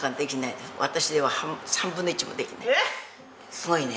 すごいね。